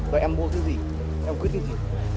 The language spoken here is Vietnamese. tôi bảo là thôi để khi nào